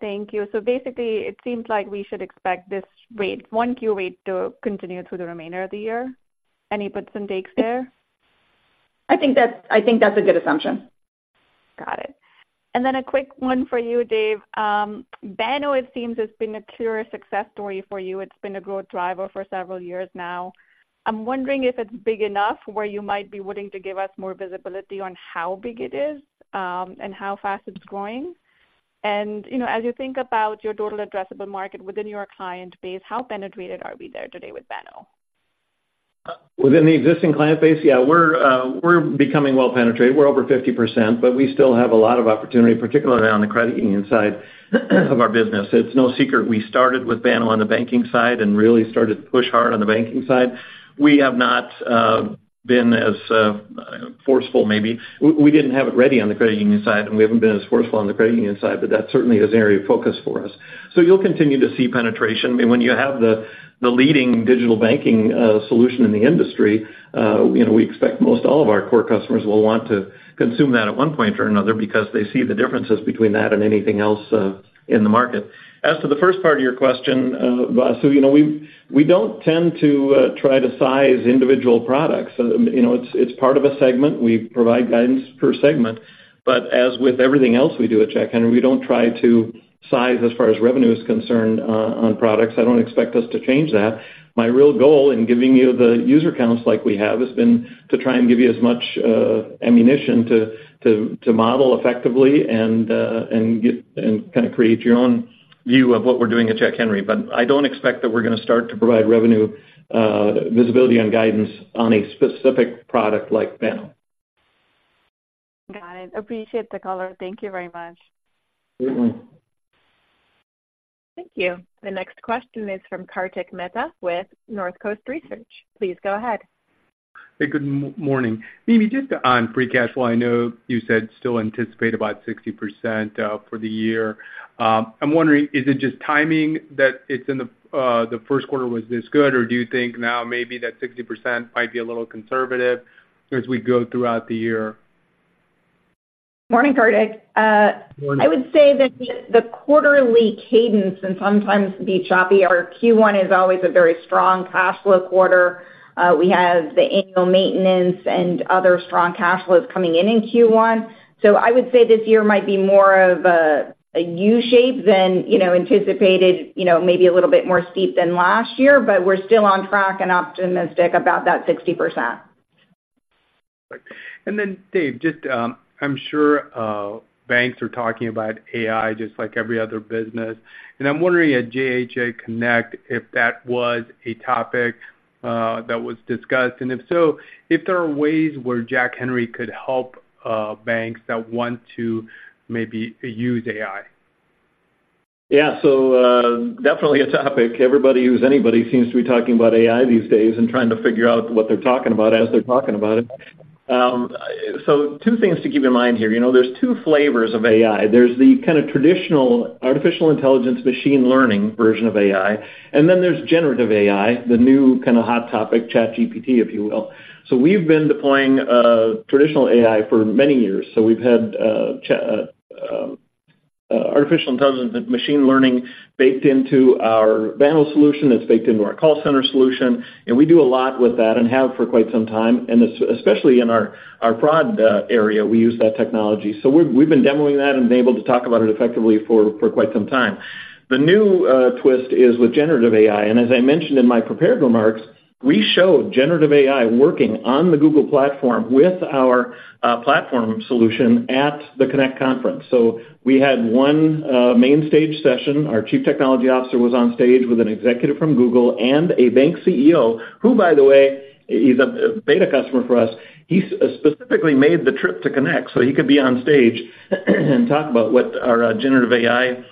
[SPEAKER 8] Thank you. So basically, it seems like we should expect this rate, 1Q rate, to continue through the remainder of the year. Any puts and takes there?
[SPEAKER 5] I think that's, I think that's a good assumption.
[SPEAKER 8] Got it. And then a quick one for you, Dave. Banno, it seems, has been a clear success story for you. It's been a growth driver for several years now. I'm wondering if it's big enough where you might be willing to give us more visibility on how big it is, and how fast it's growing. And, you know, as you think about your total addressable market within your client base, how penetrated are we there today with Banno?
[SPEAKER 3] Within the existing client base? Yeah, we're becoming well-penetrated. We're over 50%, but we still have a lot of opportunity, particularly on the credit union side, of our business. It's no secret we started with Banno on the banking side and really started to push hard on the banking side. We have not been as forceful maybe. We didn't have it ready on the credit union side, and we haven't been as forceful on the credit union side, but that certainly is an area of focus for us. So you'll continue to see penetration. I mean, when you have the leading digital banking solution in the industry, you know, we expect most all of our core customers will want to consume that at one point or another because they see the differences between that and anything else in the market. As to the first part of your question, Vasu, you know, we don't tend to try to size individual products. You know, it's part of a segment. We provide guidance per segment, but as with everything else we do at Jack Henry, we don't try to size as far as revenue is concerned on products. I don't expect us to change that. My real goal in giving you the user counts like we have has been to try and give you as much ammunition to model effectively and kind of create your own view of what we're doing at Jack Henry. But I don't expect that we're going to start to provide revenue visibility on guidance on a specific product like Banno....
[SPEAKER 1] Got it. Appreciate the call. Thank you very much.
[SPEAKER 5] Mm-hmm.
[SPEAKER 1] Thank you. The next question is from Kartik Mehta with North Coast Research. Please go ahead.
[SPEAKER 9] Hey, good morning. Mimi, just on free cash flow, I know you said still anticipate about 60% for the year. I'm wondering, is it just timing that it's in the first quarter was this good? Or do you think now maybe that 60% might be a little conservative as we go throughout the year?
[SPEAKER 5] Morning, Kartik.
[SPEAKER 9] Morning.
[SPEAKER 5] I would say that the quarterly cadence can sometimes be choppy. Our Q1 is always a very strong cash flow quarter. We have the annual maintenance and other strong cash flows coming in, in Q1. So I would say this year might be more of a U-shape than, you know, anticipated, you know, maybe a little bit more steep than last year, but we're still on track and optimistic about that 60%.
[SPEAKER 9] Great. And then, Dave, just, I'm sure banks are talking about AI just like every other business, and I'm wondering at JH Connect, if that was a topic that was discussed, and if so, if there are ways where Jack Henry could help banks that want to maybe use AI?
[SPEAKER 3] Yeah. So, definitely a topic. Everybody who's anybody seems to be talking about AI these days and trying to figure out what they're talking about as they're talking about it. So two things to keep in mind here. You know, there's two flavors of AI. There's the kind of traditional artificial intelligence, machine learning version of AI, and then there's generative AI, the new kind of hot topic, ChatGPT, if you will. So we've been deploying traditional AI for many years. So we've had artificial intelligence and machine learning baked into our Banno solution, it's baked into our call center solution, and we do a lot with that and have for quite some time, and especially in our fraud area, we use that technology. So we've been demoing that and been able to talk about it effectively for quite some time. The new twist is with generative AI, and as I mentioned in my prepared remarks, we showed generative AI working on the Google platform with our platform solution at the Connect conference. So we had one main stage session. Our Chief Technology Officer was on stage with an executive from Google and a bank CEO, who, by the way, he's a beta customer for us. He specifically made the trip to Connect so he could be on stage and talk about what our generative AI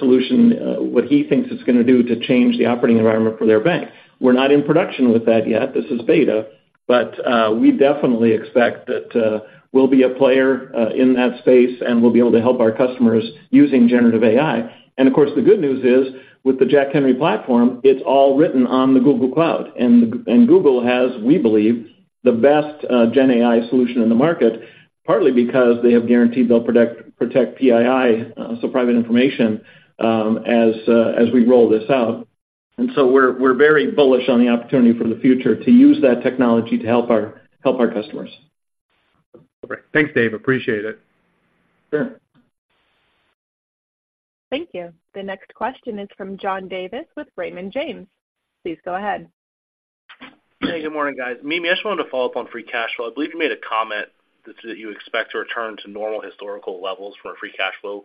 [SPEAKER 3] solution what he thinks it's going to do to change the operating environment for their bank. We're not in production with that yet. This is beta, but we definitely expect that we'll be a player in that space, and we'll be able to help our customers using generative AI. And of course, the good news is, with the Jack Henry Platform, it's all written on the Google Cloud, and the G- and Google has, we believe, the best gen AI solution in the market, partly because they have guaranteed they'll protect, protect PII, so private information, as, as we roll this out. And so we're very bullish on the opportunity for the future to use that technology to help our customers.
[SPEAKER 9] Great. Thanks, Dave. Appreciate it.
[SPEAKER 3] Sure.
[SPEAKER 1] Thank you. The next question is from John Davis with Raymond James. Please go ahead.
[SPEAKER 10] Hey, good morning, guys. Mimi, I just wanted to follow up on free cash flow. I believe you made a comment that you expect to return to normal historical levels from a free cash flow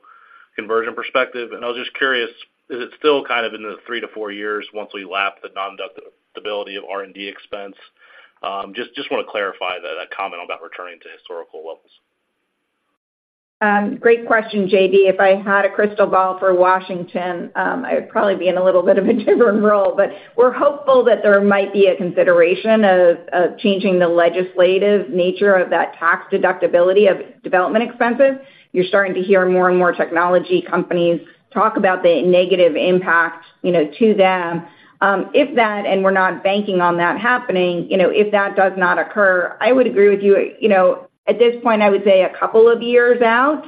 [SPEAKER 10] conversion perspective. I was just curious, is it still kind of in the three to four years once we lap the nondeductibility of R&D expense? Just want to clarify that comment about returning to historical levels.
[SPEAKER 5] Great question, JD. If I had a crystal ball for Washington, I'd probably be in a little bit of a different role, but we're hopeful that there might be a consideration of changing the legislative nature of that tax deductibility of development expenses. You're starting to hear more and more technology companies talk about the negative impact, you know, to them. If that, and we're not banking on that happening, you know, if that does not occur, I would agree with you. You know, at this point, I would say a couple of years out,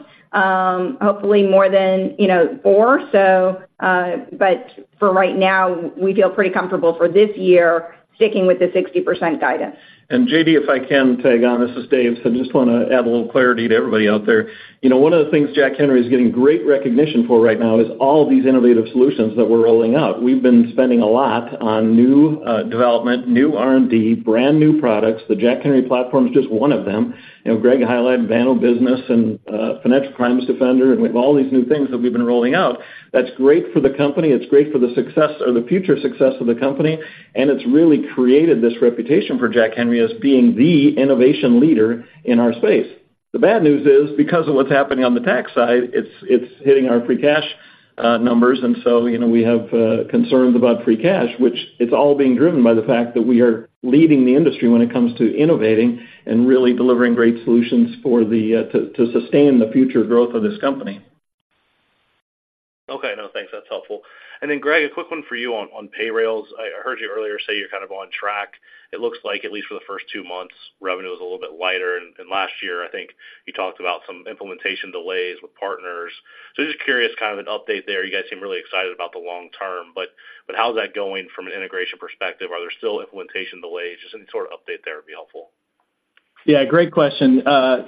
[SPEAKER 5] hopefully more than, you know, four. So, but for right now, we feel pretty comfortable for this year, sticking with the 60% guidance.
[SPEAKER 3] And JD, if I can tag on, this is Dave. So I just want to add a little clarity to everybody out there. You know, one of the things Jack Henry is getting great recognition for right now is all these innovative solutions that we're rolling out. We've been spending a lot on new development, new R&D, brand-new products. The Jack Henry Platform is just one of them. You know, Greg highlighted Banno Business and Financial Crimes Defender, and we have all these new things that we've been rolling out. That's great for the company. It's great for the success or the future success of the company, and it's really created this reputation for Jack Henry as being the innovation leader in our space. The bad news is, because of what's happening on the tax side, it's, it's hitting our free cash numbers, and so, you know, we have concerns about free cash, which it's all being driven by the fact that we are leading the industry when it comes to innovating and really delivering great solutions for the to, to sustain the future growth of this company.
[SPEAKER 10] Okay. No, thanks. That's helpful. And then, Greg, a quick one for you on Payrailz. I heard you earlier say you're kind of on track. It looks like at least for the first two months, revenue was a little bit lighter. And last year, I think you talked about some implementation delays with partners. So just curious, kind of an update there. You guys seem really excited about the long term, but how's that going from an integration perspective? Are there still implementation delays? Just any sort of update there would be helpful.
[SPEAKER 4] Yeah, great question.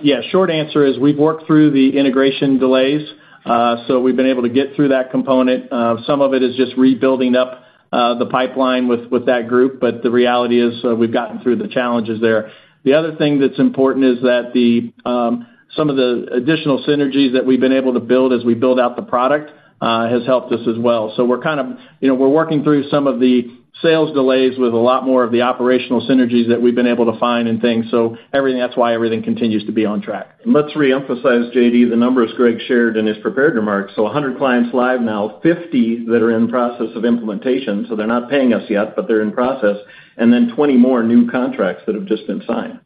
[SPEAKER 4] Yeah, short answer is we've worked through the integration delays, so we've been able to get through that component. Some of it is just rebuilding the pipeline with that group, but the reality is, we've gotten through the challenges there. The other thing that's important is that the some of the additional synergies that we've been able to build as we build out the product has helped us as well. So we're kind of, you know, we're working through some of the sales delays with a lot more of the operational synergies that we've been able to find and things. So everything, that's why everything continues to be on track.
[SPEAKER 3] Let's reemphasize, J.D., the numbers Greg shared in his prepared remarks. So 100 clients live now, 50 that are in the process of implementation, so they're not paying us yet, but they're in process, and then 20 more new contracts that have just been signed.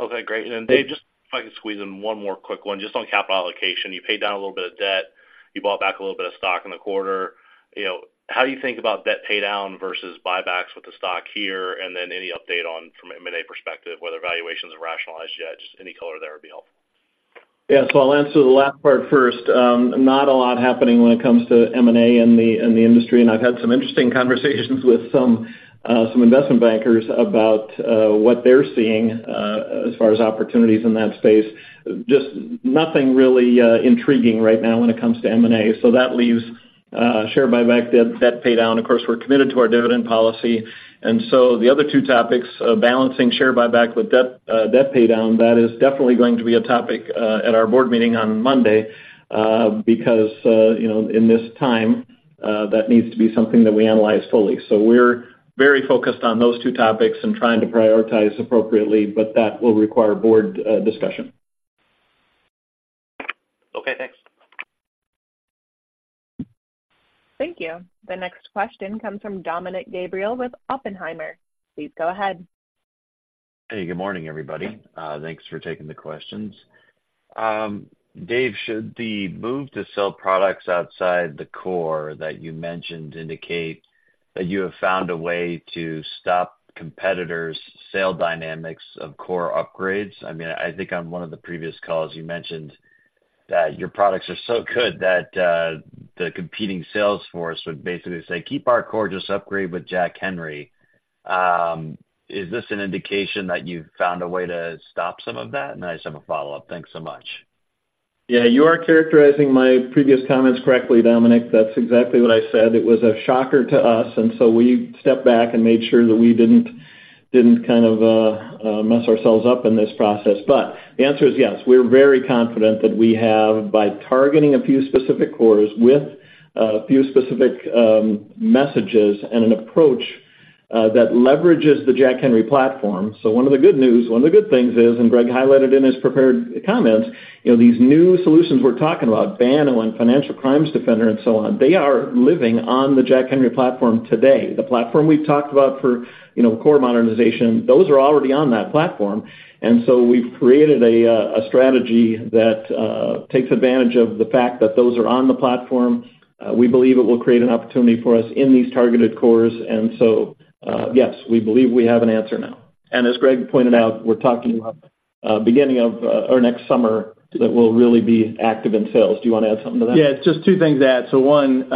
[SPEAKER 10] Okay, great. And then, Dave, just if I could squeeze in one more quick one, just on capital allocation. You paid down a little bit of debt, you bought back a little bit of stock in the quarter. You know, how do you think about debt paydown versus buybacks with the stock here? And then any update on from an M&A perspective, whether valuations are rationalized yet, just any color there would be helpful.
[SPEAKER 3] Yeah, so I'll answer the last part first. Not a lot happening when it comes to M&A in the industry. And I've had some interesting conversations with some investment bankers about what they're seeing as far as opportunities in that space. Just nothing really intriguing right now when it comes to M&A. So that leaves share buyback, debt paydown. Of course, we're committed to our dividend policy. And so the other two topics, balancing share buyback with debt paydown, that is definitely going to be a topic at our board meeting on Monday, because you know, in this time, that needs to be something that we analyze fully. So we're very focused on those two topics and trying to prioritize appropriately, but that will require board discussion.
[SPEAKER 10] Okay, thanks.
[SPEAKER 1] Thank you. The next question comes from Dominick Gabriele with Oppenheimer. Please go ahead.
[SPEAKER 11] Hey, good morning, everybody. Thanks for taking the questions. Dave, should the move to sell products outside the core that you mentioned indicate that you have found a way to stop competitors' sale dynamics of core upgrades? I mean, I think on one of the previous calls, you mentioned that your products are so good that the competing sales force would basically say, "Keep our core, just upgrade with Jack Henry." Is this an indication that you've found a way to stop some of that? And I just have a follow-up. Thanks so much.
[SPEAKER 3] Yeah, you are characterizing my previous comments correctly, Dominic. That's exactly what I said. It was a shocker to us, and so we stepped back and made sure that we didn't kind of mess ourselves up in this process. But the answer is yes. We're very confident that we have, by targeting a few specific cores with a few specific messages and an approach that leverages the Jack Henry Platform. So one of the good news, one of the good things is, and Greg highlighted in his prepared comments, you know, these new solutions we're talking about, Banno and Financial Crimes Defender and so on, they are living on the Jack Henry Platform today. The platform we've talked about for, you know, core modernization, those are already on that platform. We've created a strategy that takes advantage of the fact that those are on the platform. We believe it will create an opportunity for us in these targeted cores, and so, yes, we believe we have an answer now. As Greg pointed out, we're talking about beginning of or next summer, that we'll really be active in sales. Do you want to add something to that?
[SPEAKER 4] Yeah, just two things to add. So one,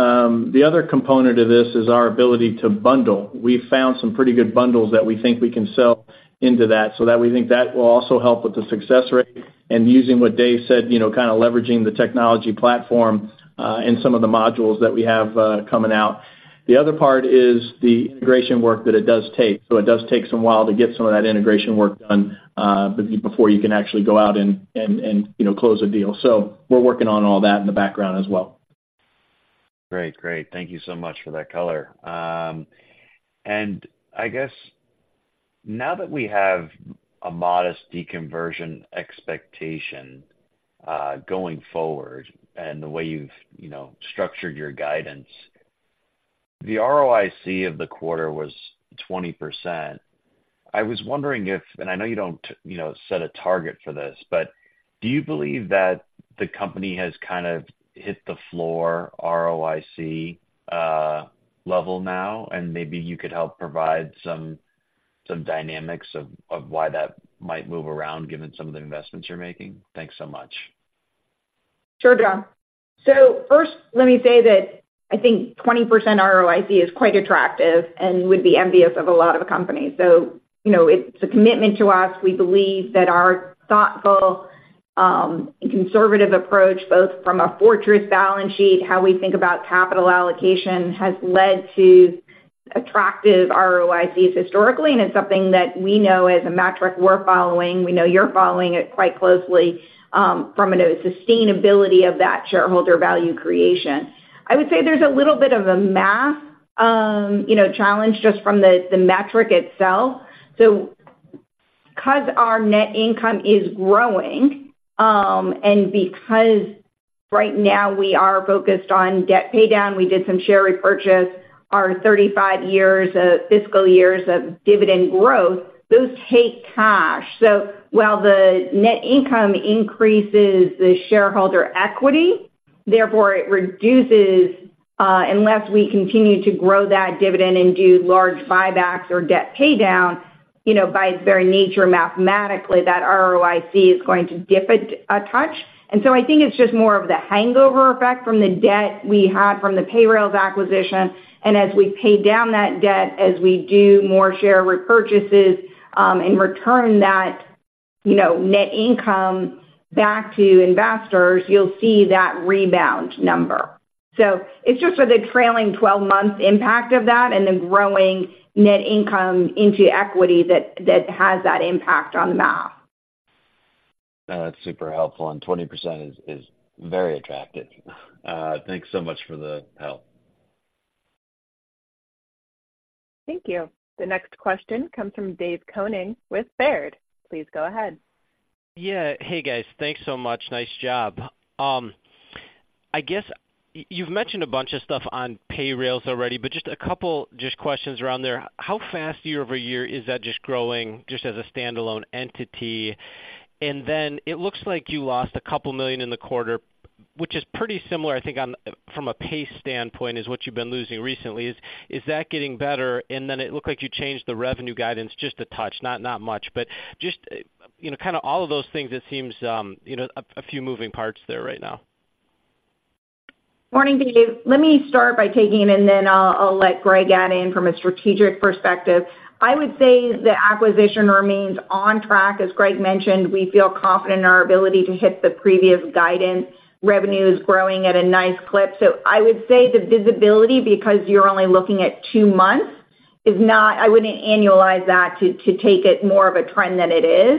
[SPEAKER 4] the other component of this is our ability to bundle. We've found some pretty good bundles that we think we can sell into that, so that we think that will also help with the success rate and using what Dave said, you know, kind of leveraging the technology platform, and some of the modules that we have coming out. The other part is the integration work that it does take. So it does take some while to get some of that integration work done, before you can actually go out and, and you know, close a deal. So we're working on all that in the background as well.
[SPEAKER 11] Great, great. Thank you so much for that color. And I guess now that we have a modest deconversion expectation, going forward and the way you've, you know, structured your guidance, the ROIC of the quarter was 20%. I was wondering if, and I know you don't, you know, set a target for this, but do you believe that the company has kind of hit the floor ROIC level now? And maybe you could help provide some, some dynamics of, of why that might move around, given some of the investments you're making. Thanks so much.
[SPEAKER 5] Sure, Dom. So first, let me say that I think 20% ROIC is quite attractive and would be envious of a lot of companies. So you know, it's a commitment to us. We believe that our thoughtful, and conservative approach, both from a fortress balance sheet, how we think about capital allocation, has led to attractive ROICs historically, and it's something that we know as a metric we're following. We know you're following it quite closely, from a sustainability of that shareholder value creation. I would say there's a little bit of a math, you know, challenge just from the metric itself. So because our net income is growing, and because right now we are focused on debt paydown, we did some share repurchase, our 35 years of fiscal years of dividend growth, those take cash. So while the net income increases the shareholder equity, therefore it reduces, unless we continue to grow that dividend and do large buybacks or debt paydown, you know, by its very nature, mathematically, that ROIC is going to dip a touch. And so I think it's just more of the hangover effect from the debt we had from the Payrailz acquisition. And as we pay down that debt, as we do more share repurchases, and return that you know, net income back to investors, you'll see that rebound number. So it's just for the trailing twelve-month impact of that and then growing net income into equity that has that impact on math.
[SPEAKER 12] That's super helpful, and 20% is very attractive. Thanks so much for the help.
[SPEAKER 1] Thank you. The next question comes from Dave Koning with Baird. Please go ahead.
[SPEAKER 13] Yeah. Hey, guys. Thanks so much. Nice job. I guess you've mentioned a bunch of stuff on Payrailz already, but just a couple just questions around there. How fast year-over-year is that just growing, just as a standalone entity? And then it looks like you lost $2 million in the quarter, which is pretty similar, I think, on from a pace standpoint, is what you've been losing recently. Is that getting better? And then it looked like you changed the revenue guidance just a touch, not much. But just, you know, kind of all of those things, it seems, you know, a few moving parts there right now.
[SPEAKER 5] Morning, Dave. Let me start by taking, and then I'll, I'll let Greg add in from a strategic perspective. I would say the acquisition remains on track. As Greg mentioned, we feel confident in our ability to hit the previous guidance. Revenue is growing at a nice clip. So I would say the visibility, because you're only looking at two months, is not. I wouldn't annualize that to, to take it more of a trend than it is.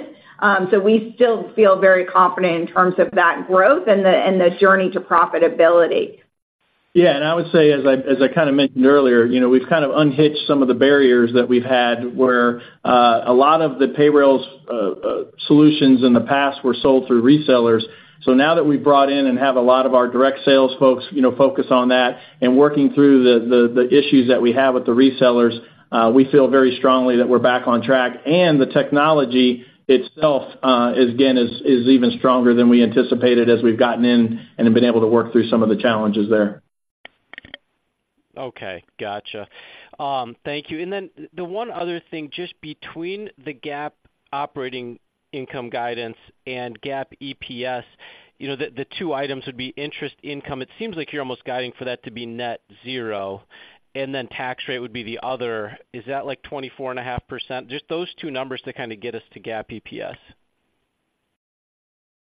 [SPEAKER 5] So we still feel very confident in terms of that growth and the, and the journey to profitability.
[SPEAKER 3] Yeah, and I would say, as I kind of mentioned earlier, you know, we've kind of unhitched some of the barriers that we've had, where a lot of the Payrailz solutions in the past were sold through resellers. So now that we've brought in and have a lot of our direct sales folks, you know, focus on that and working through the issues that we have with the resellers, we feel very strongly that we're back on track. And the technology itself is again even stronger than we anticipated as we've gotten in and have been able to work through some of the challenges there.
[SPEAKER 13] Okay, gotcha. Thank you. And then the one other thing, just between the GAAP operating income guidance and GAAP EPS, you know, the two items would be interest income. It seems like you're almost guiding for that to be net zero, and then tax rate would be the other. Is that, like, 24.5%? Just those two numbers to kind of get us to GAAP EPS.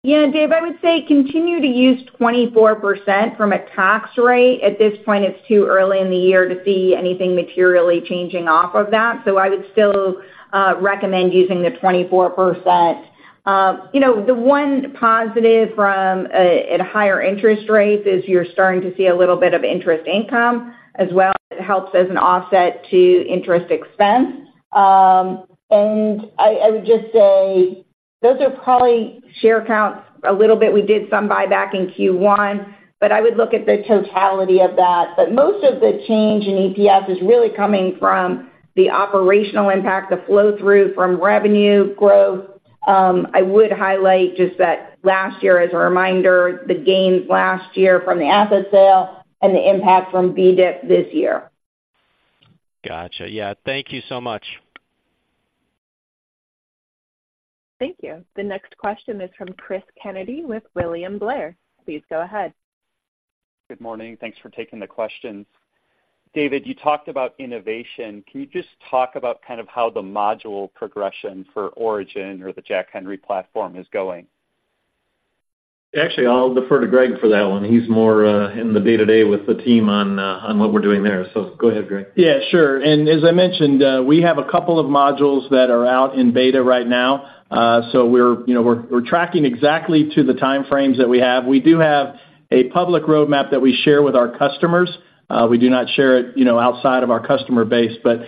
[SPEAKER 5] Yeah, Dave, I would say continue to use 24% from a tax rate. At this point, it's too early in the year to see anything materially changing off of that. So I would still recommend using the 24%. You know, the one positive from a higher interest rate is you're starting to see a little bit of interest income as well. It helps as an offset to interest expense. And I would just say those are probably share counts a little bit. We did some buyback in Q1, but I would look at the totality of that. But most of the change in EPS is really coming from the operational impact, the flow-through from revenue growth. I would highlight just that last year, as a reminder, the gains last year from the asset sale and the impact from VEDIP this year.
[SPEAKER 13] Gotcha. Yeah. Thank you so much.
[SPEAKER 1] Thank you. The next question is from Chris Kennedy with William Blair. Please go ahead.
[SPEAKER 12] Good morning. Thanks for taking the questions. David, you talked about innovation. Can you just talk about kind of how the module progression for modernization
[SPEAKER 3] Actually, I'll defer to Greg for that one. He's more in the day-to-day with the team on what we're doing there. So go ahead, Greg.
[SPEAKER 4] Yeah, sure. And as I mentioned, we have a couple of modules that are out in beta right now. So we're, you know, we're tracking exactly to the time frames that we have. We do have a public roadmap that we share with our customers. We do not share it, you know, outside of our customer base, but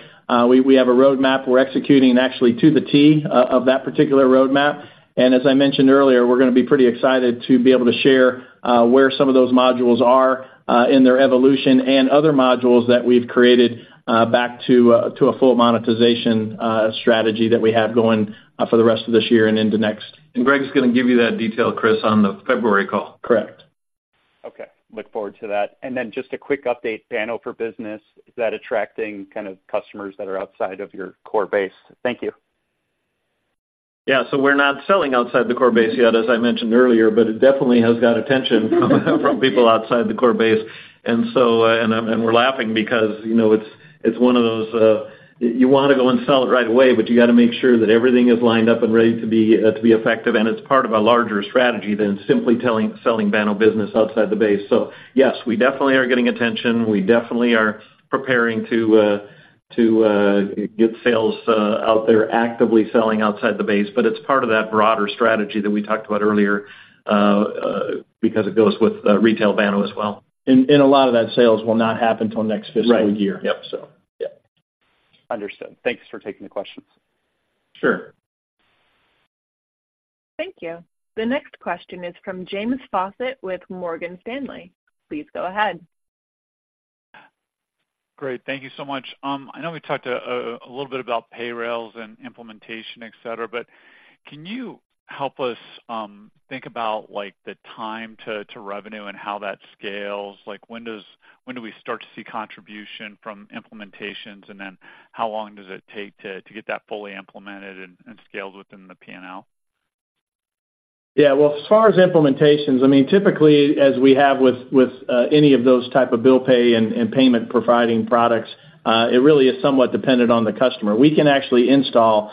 [SPEAKER 4] we have a roadmap. We're executing actually to the T of that particular roadmap. And as I mentioned earlier, we're going to be pretty excited to be able to share where some of those modules are in their evolution and other modules that we've created back to a full monetization strategy that we have going for the rest of this year and into next.
[SPEAKER 3] Greg's going to give you that detail, Chris, on the February call.
[SPEAKER 13] Correct.
[SPEAKER 12] Okay. Look forward to that. And then just a quick update, Banno Business, is that attracting kind of customers that are outside of your core base? Thank you.
[SPEAKER 3] Yeah, so we're not selling outside the core base yet, as I mentioned earlier, but it definitely has got attention from people outside the core base. And so, we're laughing because, you know, it's one of those, you want to go and sell it right away, but you got to make sure that everything is lined up and ready to be effective. And it's part of a larger strategy than simply selling Banno Business outside the base. So yes, we definitely are getting attention. We definitely are preparing to get sales out there, actively selling outside the base. But it's part of that broader strategy that we talked about earlier, because it goes with retail Banno as well. And a lot of that sales will not happen till next fiscal year. Right. Yep, so, yeah.
[SPEAKER 12] Understood. Thanks for taking the questions.
[SPEAKER 3] Sure.
[SPEAKER 1] Thank you. The next question is from James Faucette with Morgan Stanley. Please go ahead.
[SPEAKER 14] Great. Thank you so much. I know we talked a little bit about Payrailz and implementation, et cetera, but can you help us think about, like, the time to revenue and how that scales? Like, when do we start to see contribution from implementations, and then how long does it take to get that fully implemented and scaled within the P&L?...
[SPEAKER 3] Yeah, well, as far as implementations, I mean, typically, as we have with, with any of those type of bill pay and, and payment-providing products, it really is somewhat dependent on the customer. We can actually install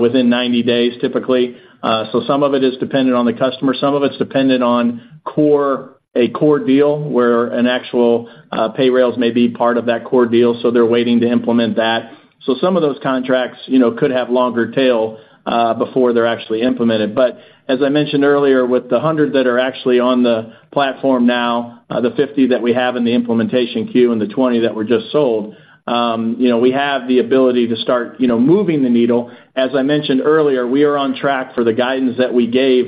[SPEAKER 3] within 90 days, typically. So some of it is dependent on the customer, some of it's dependent on core, a core deal, where an actual Payrailz may be part of that core deal, so they're waiting to implement that. So some of those contracts, you know, could have longer tail before they're actually implemented. But as I mentioned earlier, with the 100 that are actually on the platform now, the 50 that we have in the implementation queue and the 20 that were just sold, you know, we have the ability to start, you know, moving the needle. As I mentioned earlier, we are on track for the guidance that we gave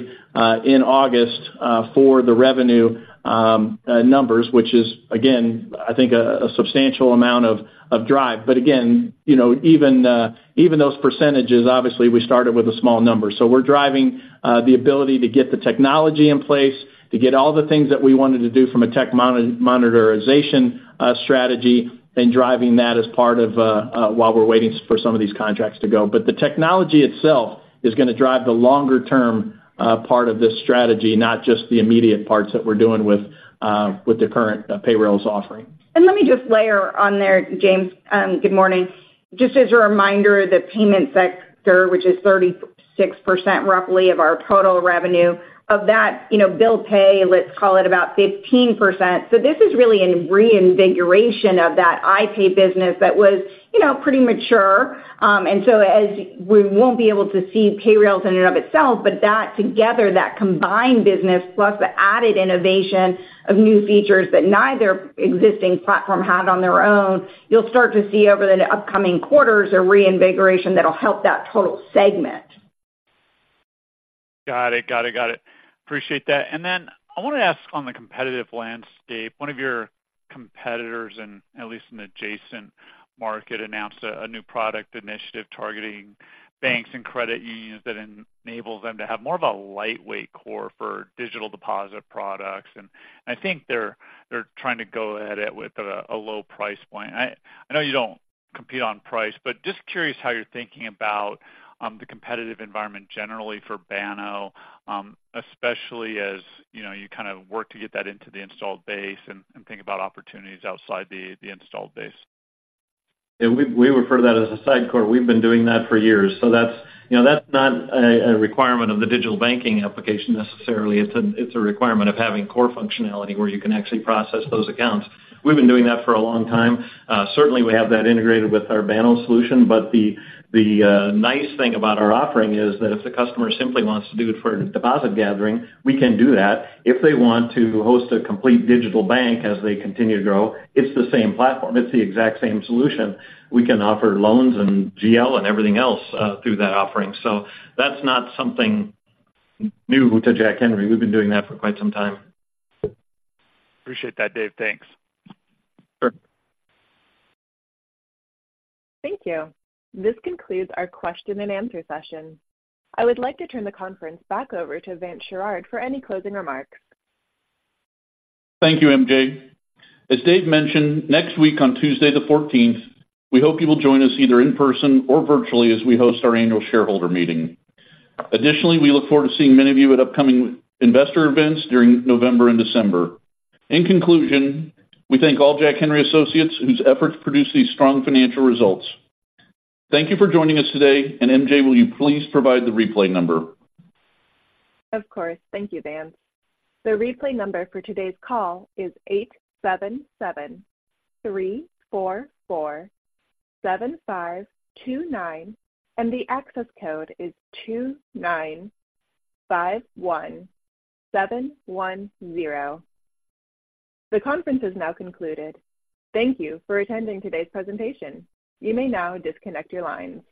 [SPEAKER 3] in August for the revenue numbers, which is, again, I think, a substantial amount of drive. But again, you know, even those percentages, obviously, we started with a small number. So we're driving the ability to get the technology in place, to get all the things that we wanted to do from a technology modernization strategy, and driving that as part of while we're waiting for some of these contracts to go. But the technology itself is going to drive the longer-term part of this strategy, not just the immediate parts that we're doing with the current Payrailz offering.
[SPEAKER 5] And let me just layer on there, James. Good morning. Just as a reminder, the payment sector, which is 36%, roughly, of our total revenue, of that, you know, bill pay, let's call it about 15%. So this is really a reinvigoration of that iPay business that was, you know, pretty mature. And so as we won't be able to see Payrailz in and of itself, but that together, that combined business, plus the added innovation of new features that neither existing platform had on their own, you'll start to see over the upcoming quarters, a reinvigoration that'll help that total segment.
[SPEAKER 14] Got it. Got it. Got it. Appreciate that. I want to ask on the competitive landscape. One of your competitors, and at least in adjacent market, announced a new product initiative targeting banks and credit unions that enables them to have more of a lightweight core for digital deposit products. I think they're trying to go at it with a low price point. I know you don't compete on price, but just curious how you're thinking about the competitive environment generally for Banno, especially as you know, you kind of work to get that into the installed base and think about opportunities outside the installed base.
[SPEAKER 3] Yeah, we, we refer to that as a side core. We've been doing that for years, so that's, you know, that's not a, a requirement of the digital banking application necessarily. It's a, it's a requirement of having core functionality, where you can actually process those accounts. We've been doing that for a long time. Certainly, we have that integrated with our Banno solution. But the, the nice thing about our offering is that if the customer simply wants to do it for deposit gathering, we can do that. If they want to host a complete digital bank as they continue to grow, it's the same platform, it's the exact same solution. We can offer loans and GL and everything else through that offering, so that's not something new to Jack Henry. We've been doing that for quite some time.
[SPEAKER 14] Appreciate that, Dave. Thanks.
[SPEAKER 4] Sure.
[SPEAKER 1] Thank you. This concludes our question and answer session. I would like to turn the conference back over to Vance Sherard for any closing remarks.
[SPEAKER 2] Thank you, MJ. As Dave mentioned, next week, on Tuesday the fourteenth, we hope you will join us either in person or virtually as we host our annual shareholder meeting. Additionally, we look forward to seeing many of you at upcoming investor events during November and December. In conclusion, we thank all Jack Henry associates whose efforts produce these strong financial results. Thank you for joining us today. MJ, will you please provide the replay number?
[SPEAKER 1] Of course. Thank you, Vance. The replay number for today's call is 877-344-7529, and the access code is 295-1710. The conference is now concluded. Thank you for attending today's presentation. You may now disconnect your lines.